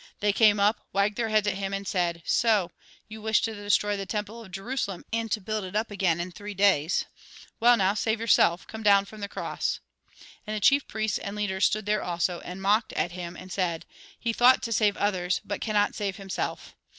They came up, wagged their heads at him, and said :" So, you wished to destroy the temple of Jerusalem, and to build it up again in three days. Well now, save your.self, come down from the cross !" And the chief priests and leaders stood there also, and mocked at him, and said :" He thought to save others, but cannot save himself.